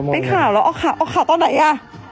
เป็นข่าวแล้วอ๋อข่าวตอนไหนอ่ะ